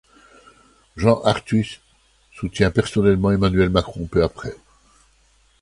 Jean Arthuis soutient personnellement Emmanuel Macron peu après.